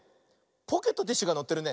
ポケットティッシュがのってるね。